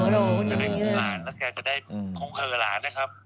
แล้วแกจะได้โครงเคิร์ดหลานนะครับ